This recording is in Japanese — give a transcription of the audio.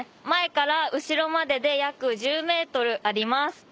前から後ろまでで約１０ｍあります。